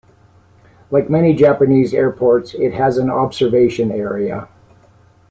Like many Japanese airports, it has an observation area.